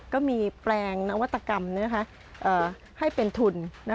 แปลงนวัตกรรมให้เป็นทุน